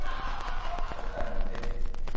お二人の腕で。